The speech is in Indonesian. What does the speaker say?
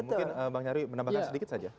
mungkin bang nyarwi menambahkan sedikit saja